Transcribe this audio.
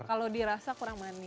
kalau dirasa kurang manis